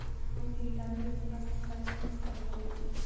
موږ د انټرنیټ په مرسته خپلې ستونزې حل کوو.